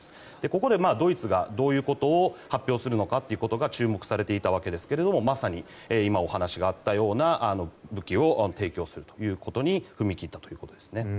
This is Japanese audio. ここでドイツがどういうことを発表するのかが注目されていたんですがまさに今お話があったような武器を提供するということに踏み切ったということです。